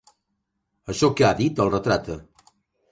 Això que ha dit el retrata.